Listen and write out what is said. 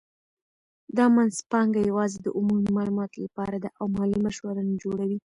دا مینځپانګه یوازې د عمومي معلوماتو لپاره ده او مالي مشوره نه جوړوي.